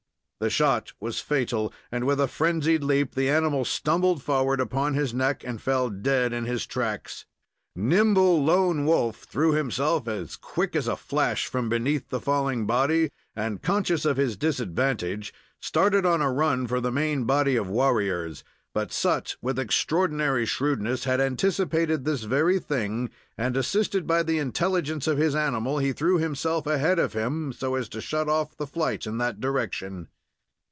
The shot was fatal, and, with a frenzied leap, the animal stumbled forward upon his neck, and fell dead in his tracks. Nimble Lone Wolf threw himself as quick as a flash from beneath the falling body, and, conscious of his disadvantage, started on a run for the main body of warriors; but Sut, with extraordinary shrewdness, had anticipated this very thing, and, assisted by the intelligence of his animal, he threw himself ahead of him, so as to shut off the flight in that direction.